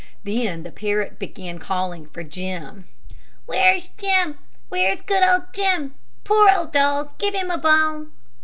Then the parrot began calling for Jim: "Where's Jim, where's good old Jim? Poor old dog. Give him a bone."